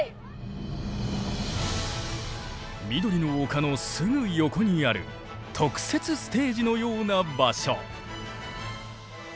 緑の丘のすぐ横にある特設ステージのような場所。